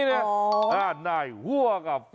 ใช่ไหม